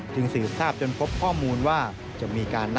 จึงสื่อทราบจนพบข้อมูลว่า